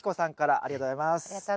ありがとうございます。